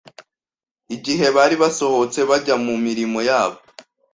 igihe bari basohotse bajya mu mirimo yabo